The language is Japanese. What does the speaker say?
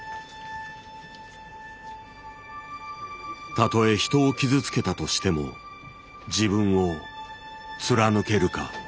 たとえ人を傷つけたとしても自分を貫けるか。